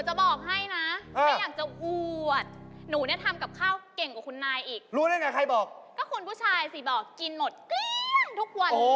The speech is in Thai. เวลาไหร่จะถึงหน้าหลังกองวะ